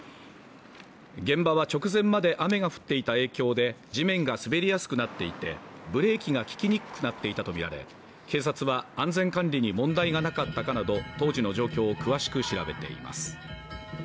現場は直前まで雨が降っていた影響で地面が滑りやすくなっていてブレーキが利きにくくなっていたとみられ警察は安全管理に問題がなかったかなど当時の状況を詳しく調べています